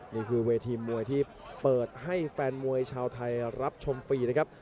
นี่คือเวทีมวยที่เปิดให้แฟนมวยชาวไทยรับชมฟรีนะครับ